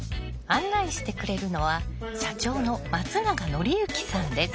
案内してくれるのは社長の松永紀之さんです。